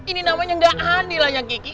ini namanya nggak adil lah yang kiki